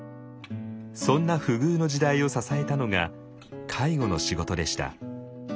そんな不遇の時代を支えたのが介護の仕事でした。